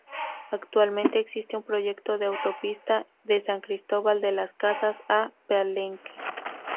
Actualmente existe un proyecto de autopista de San Cristóbal de las Casas a Palenque.